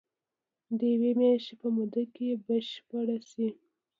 د يوې مياشتي په موده کي بشپړي سي.